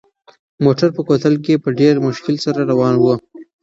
موټر په کوتل کې په ډېر مشکل سره روان و.